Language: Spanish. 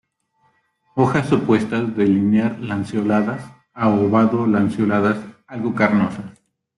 Hojas opuestas, de linear-lanceoladas a ovado-lanceoladas, algo carnosas.